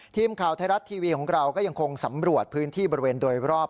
ทีมข่าวไทยรัฐทีวีของเราก็ยังคงสำรวจพื้นที่บริเวณโดยรอบ